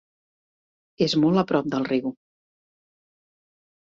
És molt a prop del riu.